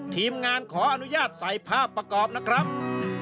ทีมงานขออนุญาตใส่ภาพประกอบนะครับ